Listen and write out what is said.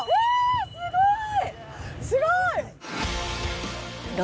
すごい！